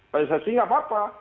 pesesi nggak apa apa